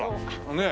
ねえ。